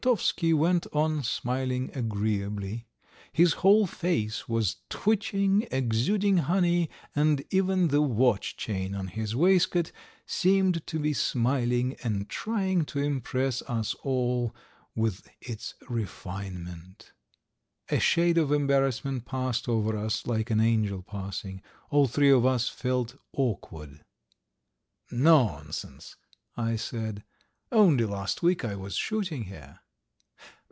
Grontovsky went on smiling agreeably. His whole face was twitching, exuding honey, and even the watch chain on his waistcoat seemed to be smiling and trying to impress us all with its refinement. A shade of embarrassment passed over us like an angel passing; all three of us felt awkward. "Nonsense!" I said. "Only last week I was shooting here!"